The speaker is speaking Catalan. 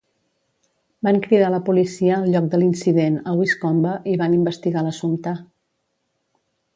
Van cridar la policia al lloc de l'incident a Winscombe i van investigar l'assumpte.